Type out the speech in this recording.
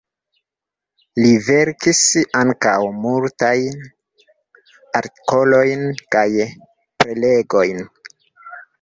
Li verkis ankaŭ multajn artikolojn kaj prelegojn.